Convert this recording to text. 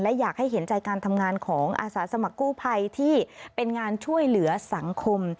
และอยากให้เห็นใจการทำงานของอาสาสมัครกู้ภัยที่เป็นงานช่วยเหลือสังคม